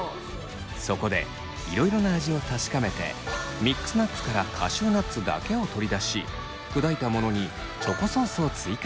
そこでいろいろな味を確かめてミックスナッツからカシューナッツだけを取り出し砕いたものにチョコソースを追加して決定。